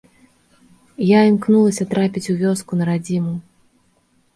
Я імкнуся трапіць у вёску на радзіму.